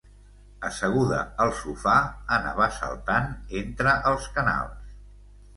Asseguda al sofà, anava saltant entre els canals.